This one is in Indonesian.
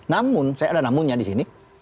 namun saya ada namunya di sini